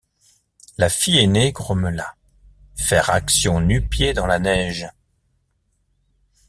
La fille aînée grommela: — Faire faction nu-pieds dans la neige!